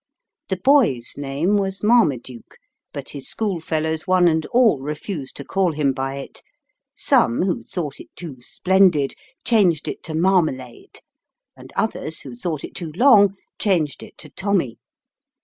The boy's name was Marma duke, but his school fellows, one and all, refused to call him by it. Some, who thought it too splendid, changed it to Marmalade, and others, who thought it too long, changed it to Tommy.